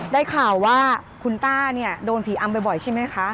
ได้ข่าวว่าคุณต้าเนี่ยโดนผีอำบ่อยใช่ไหมคะ